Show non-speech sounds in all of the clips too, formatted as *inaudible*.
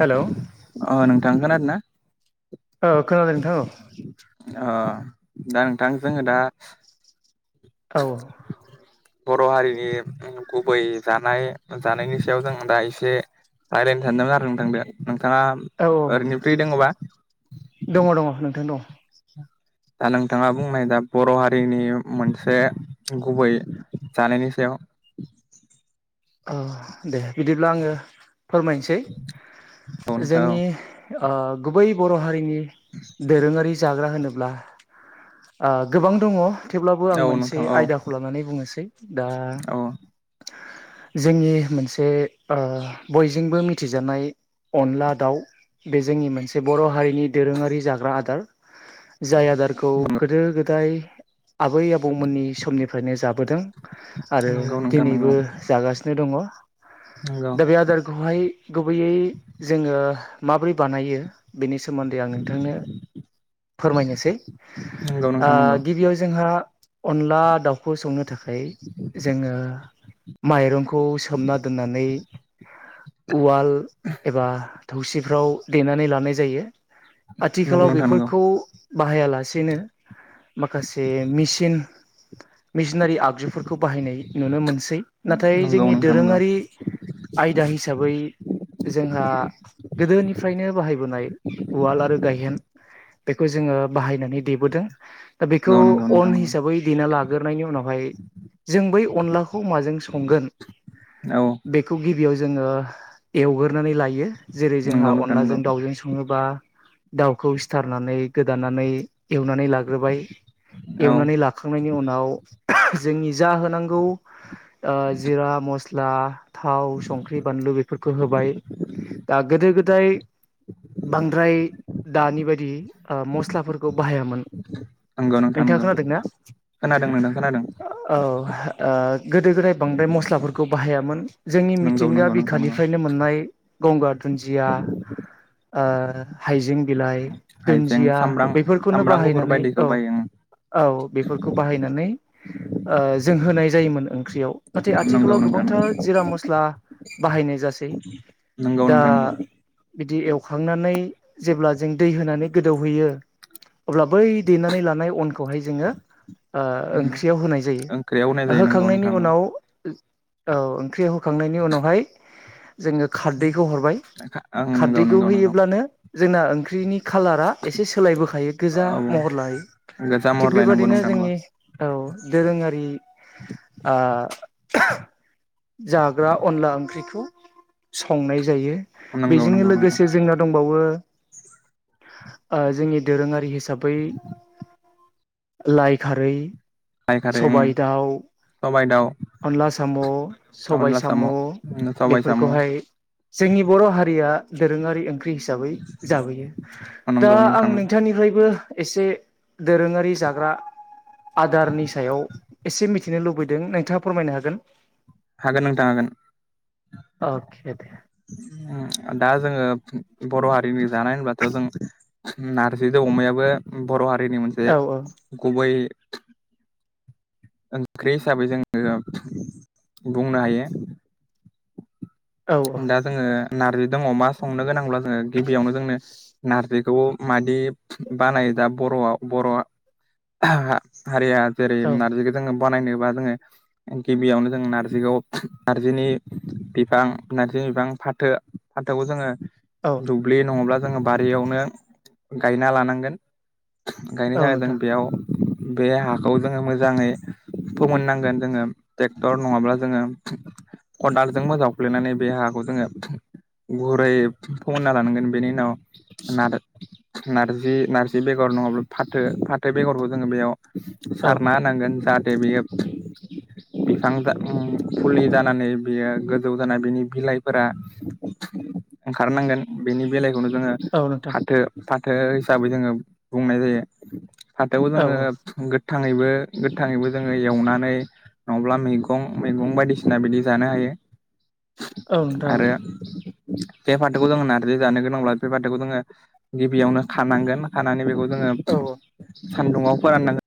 Hello अ नोंथां खोनादोना? औ खोनादों नोंथां औ । अ दा नोंथां जोङो दा औ । बर' हारिनि गुबै जानाय जानायनि सायाव जों दा एसे रायलायनो सानदोंमोन आरो नों थां दो नोंथाङा औ औ ओरैनो फ्रि दङबा? दङ दङ नोंथां दङ औ दा नोंथाङा बुंनाय दा बर' हारिनि मोनसे गुबै जानायनि सायाव *inaudible* औ दे बिदिब्ला आङो फोरमायनोसै औ नोंथां औ जोंनि ओ गुबै बर' हारिनि दोरोङारि जाग्रा होनोब्ला अब्ला आ गोबां दङ थेवब्लाबो आं औ नोंथां मोनसे औ आयदाखौ लानानै बुंनोसै। दा औ जोंनि मोनसे बयजोंबो मिथिजानाय अनला दाउ बे जोंनि मोनसे बर' हारिनि दोरोङारि जाग्रा आदार। जाय आदारखौ गोदो गोदाय आबै आबौमोननि समनिफ्रायनो जाबोदों आरो नंगौ नोंथां नंगौ दिनैबो जागासिनो। दंङ' नंगौ दा बे आदार खौहाय गुबैयै जोङो माबोरै बानायो बेनि सोमोन्दै आं नोंथांनो फोरमायनोसै नंगौ नोंथां नंगौ गिबियाव जोंहा अनला दाउखौ संनो थाखाय जोङो माइरंखौ सोमना दोननानै उवाल एबा थौसि फ्राव देनानै लानाय जायो नंगौ आथिखालाव नोंथां नंगौ बेफोरखौ बाहायालासेनो माखासे मेचिन मिसिनारि आगजुफोरखौ बाहायनाय नुनो मोनसै नाथाय जोंनि दोरोङारि आयदा हिसाबै जोंहा गोदोनिफ्रायनो बाहायबोनाय उवाल आरो गायहेन बेखौ जोङो बाहायनानै देबोदों दा बेखौ नंगौ नोंथां अन नंगौ हिसाबै देना लागोन। गोरनायनि उनावहाय जों बै अनलाखौ माजों संगोन नंगौ बेखौ बेयाव जोङो एवगोरनानै लायो जेरै जोंहा नंगौ नोंथां नंगौ औ नंगौ नोंथां नंगौ अनलाजों दाउजों संङोबा। दाउखौ सिथारनानै गोदानानै एवनानै लाग्रोबाय औ एवनानै लाखांनायनि उनाव जोंनि जा होनांगौ जिरा मस्ला थाव संख्रि बानलु बेफोरखौ होबाय दा गोदो गोदाय बांद्राय दानि बायदि मस्लाफोरखौ बाहायामोन। नंगौ नोंथां नोंथाङा नंगौ खोनादोंना खोनादों नोंथां खोनादों औ गोदो गोदाय बांद्राय मस्लाफोरखौ बाहायामोन जोंनि नंगौ मिथिंगा नंगौ नोंथां नंगौ बिखानिफ्रायनो मोननाय गंगार दुन्दिया हाइजें बिलाइ हाइजें दुन्दिया सामब्राम बेफोरखौनो सामब्राम गुफुर बाहायनानै बायदिखौ औ बायो ओं औ बाहायनानै जों होनाय जायोमोन ओंख्रियाव नाथाय नंगौ आथिखालाव नोंथां नंगौ गोबांथार जिरा मस्ला बाहायनाय जासै। नोंगौ दा नोंथां नोंगौ बिदि एवखांनानै जेब्ला जों दै होनानै गोदौहोयो अब्ला बै देनानै लानाय अनखौहाय जोंङो। उम ओंख्रियाव होनाय ओंख्रियाव होनाय जायो नंगौ नोंथां होखांनायनि नंगौ उनाव औ ओंख्रि याव होखांनायनि उनावहाय जोङो खारदैखौ हरबाय ओं नंगौ खारदैखौ नंगौ नोंथां होयोब्लानो जोंना ओंख्रिनि खालारा एसे सोलायबोखायो गोजा औ महर लायो गोजा *inaudible* थिग महर लायनांगौ बेबादिनो नोंथां नंगौ जोंनि औ दोरोङारि जाग्रा अनला ओंख्रिखौ संनाय जायो। नंगौ बेजोंनो नंगौ नोंथां लोगोसे जोंना दंबावो। जोंनि दोरोङारि हिसाबै। लाइ खारै लाइ खारै ओं सबाय दाउ, सबाइ दाउ अनला साम' सबाय साम' सबाइ साम' बेफोरखौहाय जोंनि बर' हारिया दोरोङारि ओं हिसाबै जाबोयो दा नंगौ नोंथां आं नंगौ। नोंथांनिफ्रायबो एसे दोरोङारि जाग्रा आदारनि सायाव एसे मिथिनो लुबैदों नोंथाङा फोरमायनो हागोन? हागोन नोंथां हागोन अके दे दा जोङो बर' हारिनि जानाय होनबाथ' जों नारजिजों अमायाबो बर' हारि नि हारिनि मोनसे औ गुबै ओंख्रि हिसाबै जोङो बुंनो हायो औ दा जोङो नारजि दङ अमा संनो गोनांब्ला जोङो गिबियावनो जोंनो नारजि खौ मादि बानाय दा बर'आव बर' हारिया जेरै औ नारजिखौ जोङो बानायनोबा जोङो गिबियावनो जों नारजिखौ नार्जिनि बिफां नारजि बिफां फाथो फाथो जोङो औ दुब्लि नङाब्ला जोङो बारियावनो गायना लानांगोन गायनो औ थाखाय जों नोंथां बेयाव बे हाखौ जोङो मोजाङै फोमोननांगोन जोङो ट्रेक्टर नङाब्ला जोङो खदालजों जावफ्लैनानै बे हाखौ जोङो गुरै फोमोनना लानांगोन बेनि उनाव नार नारजि नारजि बेगर नङाब्ला फाथो फाथो बेगरखौ जोङो बेयाव औ सारना होनांगोन जा बियो बिफां फुलि जानानै बियो गोजौ जानानै बिनि बिलाइफोरा ओंखारनांगोन बेनि बिलाइखौनो जोङो औ नोंथां फाथो फाथो हिसाबै जोङो बुंनाय जायो फाथोआव औ जोङो औ गो गोथाङैबो गोथाङैबो जोङो एवनानै नङाब्ला मैगं मैगं बायदिसिना बिदि जानो हायो औ आरो नोंथां जे फाथोखौ जोंङो नारजि जानो गोनांब्ला बे फाथोखौ जोङो गिबियावनो खानांगोन खानानै बेखौ जोङो औ सान्दुङआव फोराननांगोन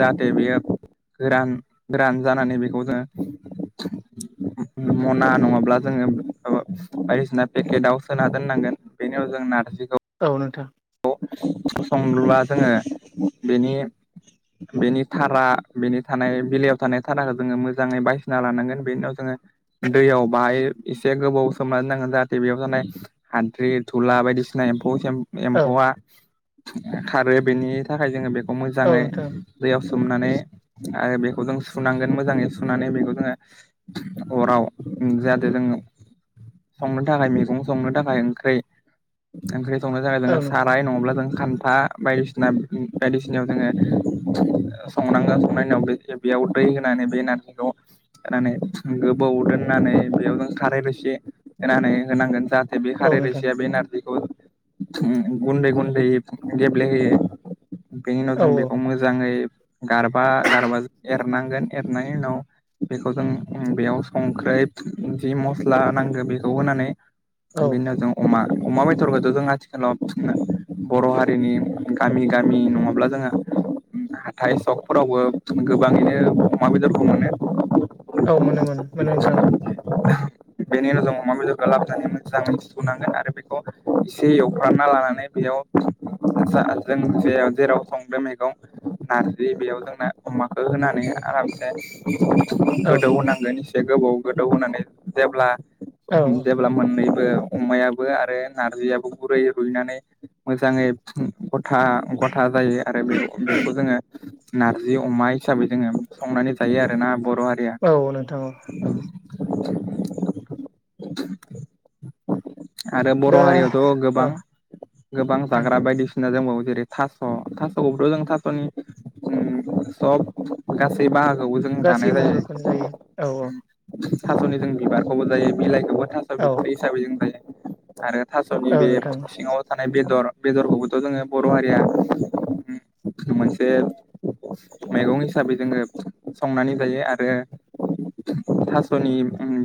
जाहाथे बेयो गोरान गोरान जानानै बेखौ जों *inaudible* मना नङाब्ला जोङो बायदिसिना पेकेटाव सोना दोननांगोन बेनि उन जों नारजि औ नोंथां संब्ला जोङो बेनि बेनि थारा बेनि थानाय बिलइयाव थानाय थाराखौ जोङो मोजाङै बायसिना लानांगोन बेनि उनाव जोङो दैयाव बाहाय एसे गोबाव सोमना दोननांगोन जाहाथे बेयाव जानाय हानद्रि थुला बायदिसिना औ एम्फौ एम्फौआ खारो बेनि थाखाय जोङो बेखौ औ मोजाङै नोंथां दैयाव सोमनानै आरो बेखौ जों सुनांगोन मोजाङै सुनानै बेखौ जोङो अराव जाहाथे जोङो संनो थाखाय मैगं संनो थाखायओंं संनो थाखाय औ जङो नोंथां संङोल्बा खान्था बायदिसिना बायदिसिना जोङो सनांगौ संनायनि बेयाव दै होनानै बे नारजिखौ होनानै गोबाव दोननानै बेयाव जों खारै एसे होनानै होनांगोन जाहाथे बे औ खारै नोंथां रोसिया बे नारजिखौ गुन्दै गुन्दै गेब्लेहोयो बेनि उनाव औ जों बेखौ मोजाङै गारबा गारबा एरनांगोन एरनायनि उनाव बेखौ जों बेयाव संख्रै जि मस्ला नांगौ बेखौ होनानै औ बिनि उनाव जों अमा अमा बेदरखौथ' जों आथिखालाव बर' हारिनि गामि गामि नङाब्ला जोंयो हाथाइ सकफोरावबो गोबाङैनो अमा बेदरखौ मोनो औ मोनो मोनो मोनो नोंथां बेनि उनाव जों अमा बेदरफ्रा लाबोनानै मोजाङै सुनांगोन आरो बेखौ एसे एव फोरानना लानानै बेयाव जों जे जेराव संदो मैगं नारजि बेयाव जोंना अमाखौ होनानै आरामसे औ गोदौ होनांगोन एसे गोबाव गोदौ होनानै जेब्ला औ औ जेब्ला मोननै अमायाबो आरो नारजियाबो गुरै रुइनानै मोजाङै गथा गथा जायो आरो बे बेखौ जोङो नारजि अमा हिसाबै जोङो संनानै जायो आरो ना बर' हारिया औ नोंथां औ औ आरो बर' दा हारियावथ' औ गोबां गोबां उम जाग्रा बायदिसिना दोंबावो। जेरै थास' थासखौबो जों थास'नि उम सब गासै बा खौबो जों गासै जानाय जायो बाहागोखौनो फम औ थास'नि जों बिबार खौबो जायो बिलाइखौबो थास' औ बिथ्रि हिसाबै जों जायो आरो थास'नि औ बे नोंथां सिङाव थानाय बेदर बेदरखौबोथ' जोङो बर' हारिया मोनसे मैगं हिसाबै जोङो संनानै जायो आरो थास'नि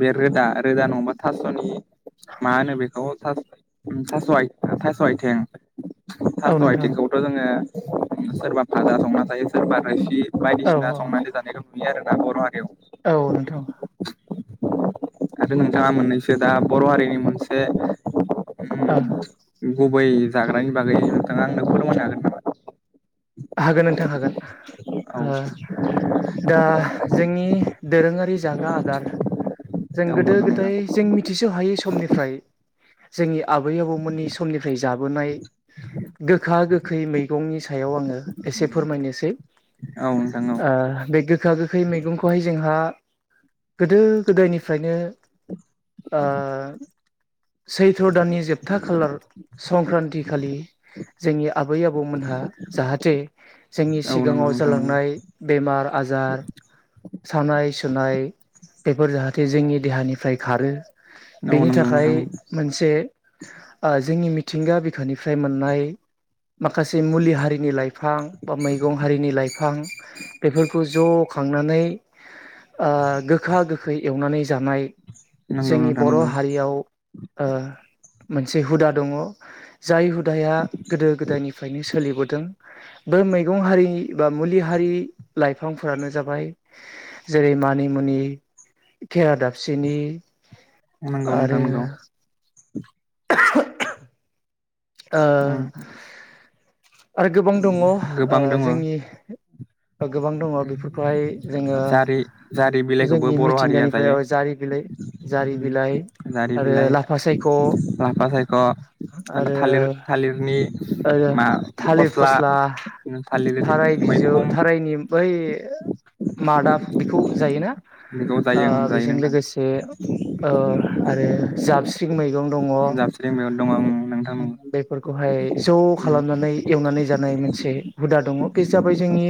बे रोदा रोदा नङाबा थास'नि मा होनो बेखौ थास' आइ थास' आथें औ थास' नोंथां आइथिंखौथ' जोङो सोरबा भाजा संना थायो सोरबा रोसि औ बायदिसिना औ संनानै जानायखौ नुयो आरोना बर' हारि औ नोंथां आरो नोंथाङा मोननैसो दा बर' हारिनि मोनसे आ गुबै जाग्रानि बागै नोंथाङा आंनो फोरमायनो हागोन नामा? हागोन नोंथां हागोन ओ औ दा जोंनि दोरों आरि जाग्रा आदार जों औ गोदो नंगौ गोदाय नोंथां जों मिथिस हायै समनिफ्राय जोंनि आबै आबौमोननि समनिफ्राय जाबोनाय गोखा गो खै मैगंनि सायाव आङो एसे फोरमायनोसै औ नोंथां औ ओ बे गोखा गो खै मैगंखौहाय जोंहा गोदो गोदायनिफ्रायनो आ सैथ्र' दाननि जोबथा खालार संक्रान्ति खालि जोंनि आबै आबौमोनहा जाहाथे जोंनि औ नंगौ सिगाङाव नोंथां नंगौ जालांनाय बेमार आजार सानाय सुनाय बेफोर जाहाथे जोंनि देहानिफ्राय खारो औ बेनि नंगौ थाखाय नोंथां मोनसे ओ जोंनि मिथिंगा बिखानिफ्राय मोननाय माखासे मुलि हारिनि लाइफां बा मैगं हारिनि लाइफां बेफोरखौ ज' खांनानै ओ गोखा गोखै एवनानै जानाय नंगौ जोंनि नोंथां बर' नंगौ हारियाव ओ मोनसे हुदा दङ जाय हुदाया गोदो गोदायनिफ्रायनो सोलिबोदों। बे मैगं हारि बा मुलि हारि लाइफांफोरानो जाबाय जेरै मानिमु नि खेरा दाफिनि नंगौ नोंथां आरो नंगौ *unintelligible* ओ उम आरो गोबां दङ ओ गोबां दङ जोंनि गोबां दङ बेफोरखौहाय जोङो जारि जारि बिलाइखौबो जोंनि बर' हारिया मिथिंगानिफ्राय जायो जारि बिलाइ जारि उम बिलाइ जारि आरो बिलाइ लाफा सायख' लाफा सायख' थालिर थालिरनि आरो थालिर फस्ला थालिर थाराय बिजौ मैखुम थारायनि बै मादा बेखौ जायोना बेखौ ओ जायो जायो बेजों नोंथां लोगोसे ओ आरो जाबस्रिं मैगं दङ जाबस्रिं मेगं दं उम नोंथां बेफोरखौहाय ज' खालामनानै एवनानै जानाय मोनसे हुदा दङ बे जाबाय जोंनि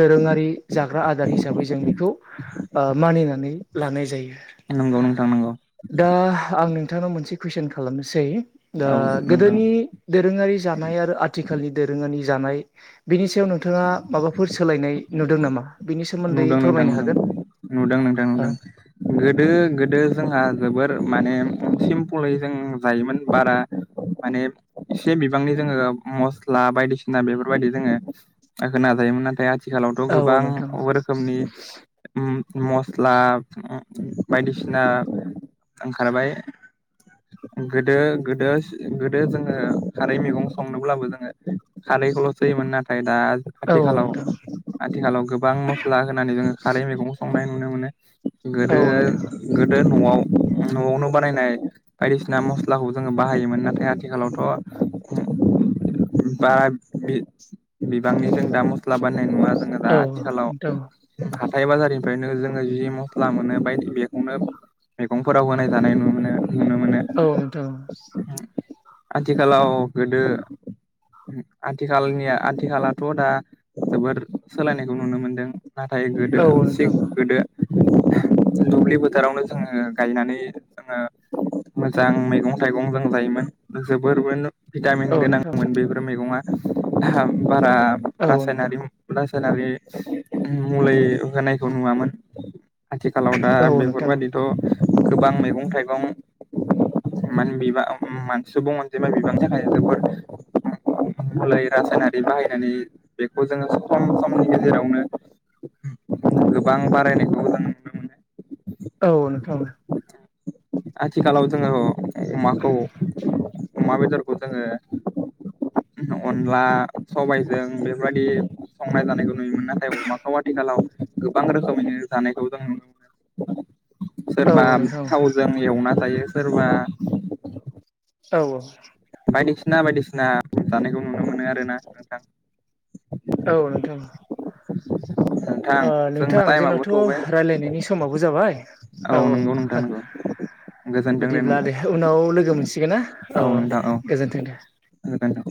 दोरोङारि जाग्रा आदार हिसाबै जों बेखौ ओ मानिनानै लानाय जायो। नंगौ नोंथां नंगौ। नोंथानाव मोनसे कुइसन खालामनोसै दा औ नोंथां गोदोनि दोरोङारि जानाय आरो आथिखालनि दोरोङारि जानाय बिनि सायाव नोंथाङा माबाफोर सोलायनाय नुदों नामा? बिनि सोमोन्दै नुदों नोंथां फोरमायनो नुदों हागोन नुदों नोंथां औ नुदों गोदो गोदो जोंहा जोबोर माने सिप फलै जों जायोमोन बारा माने एसे बिबांनि जोङो मस्ला बायदिसिना बेफोरबायदि जोङो होना जा यामोन नाथाय आथिालावथ औ गोबां नोंथां रोखोमनि मस्ला बायदिसिना ओंखारबाय *inaudible* गोदो गोदो गोदो जोङो खारै मैगं संनोब्लाबो जोङो खारैखौल'सोहोयोमोन नाथाय दा औ आथिखालाव नोंथां आथिखालाव गोबां मस्ला होनानै जोङो खारै मैगं संनाय नुनो मोनो गोदो औ नोंथां गोदो न'आव न'आवनो बानायनाय बायदिसिना मस्लाखौ जोङो बाहायोमोन नाथाय आथिखालावथ' बा बि बिबांनि जों दा मस्ला बानायनाय नुङा जोङो दा औ हाथा बाजारनिफ्रायनो जोङो जि मस्ला मोनो बायदि बेखौनो मैगंफोराव होनाय जानाय नुनो नुनो मोनो औ नोंथां आथिखालाव गोदो आथिखालनिया आथिखलाथ' दा जबोद सोलायनाय नायखौ नुनो मोनदों नाथाय औ गोदोसे नोंथां गोदो दुब्लि बोथोरावनो जोङो गायनानै जोङो मोजां मैगं थाइगं जों जायोमोन जोबोर भिटामिन औ नोंथां गोनांमोन बेफोर मैगंआ बारा औ नोंथां रासायनारि रासायनारि मुलि होनायखौ नुवामोन आथिखालाव दा औ नोंथां बेफोरबायदिथ' गोबां मैगं थाइगं मान बिबां मानसि सुबुं जेनबा बिबांनि थाखाय जोबोर मलै रासायनारि बाहायनानै बेखौ जोङो सम समनि गेजेरावनो गोबां बारायनायखौ जों नुनो मोनो औ नोंथां आथिखालाव जोङो अमाखौ अमा बेदरखौ जोङो अनला सबायजों बेबादि संनाय जानायखौ नुयोमोन नाथाय अमाखौ आथिखालाव गोबां रोखोमैनो जानायखौ जों नुनो मोनो औ सोरबा नोंथां थावजों एवना जायो सोरबा औ औ बायदिसिना बायदिसिना जानायखौ नुनो मोनो आर ना नोंथां औ नोंथां नोंथां ओ जोंना नोंथां टाइमाबो जोंनाथ' थौबाय रायज्लायनायनि समाबो जाबाय औ नंगौ नोंथां औ नंगौ गोजोनथों बिदिब्ला नोंथां दे उनाव लोगो मोन थगोन ना औ दे नोंथां औ गोजोनथों दे गोजोनथों